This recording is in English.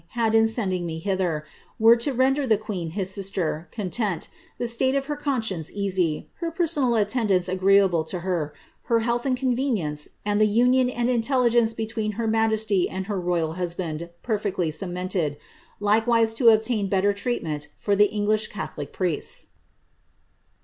had in sending me hither, were to render the queen, his sister, con 'onu, the state of her conscience easy, her personal attendants agreeable t'> her, her health and convenience, and the union and intelligence be 'ween her majesty and her royal husband perfectedly cemented, likewise to obtain better treatment for the English catholic priests."